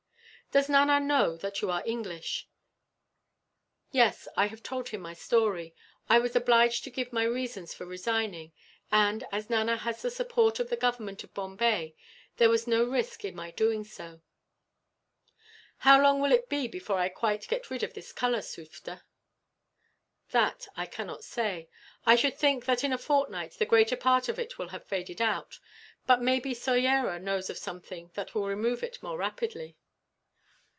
"Does Nana know that you are English?" "Yes, I have told him my story. I was obliged to give my reasons for resigning and, as Nana has the support of the Government of Bombay, there was no risk in my doing so. "How long will it be before I get quite rid of this colour, Sufder?" "That I cannot say. I should think that in a fortnight the greater part of it will have faded out, but maybe Soyera knows of something that will remove it more rapidly."